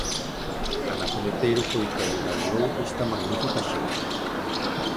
Ana Peleteiro foi quen inaugurou esta magnífica xeira.